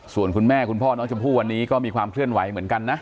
ส่วนคุณแม่คุณพ่อน้องชมพู่วันนี้ก็มีความเคลื่อนไหวเหมือนกันนะ